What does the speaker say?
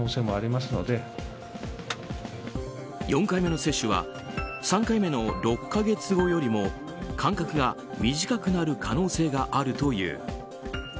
４回目の接種は３回目の６か月後よりも間隔が短くなる可能性があるという。